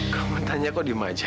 kau mau tanya kok di rumah aja